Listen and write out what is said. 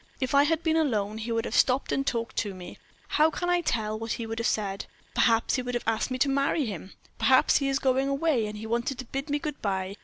"If I had been alone he would have stopped and have talked to me. How can I tell what he would have said? Perhaps he would have asked me to marry him perhaps he is going away, and he wanted to bid me good bye.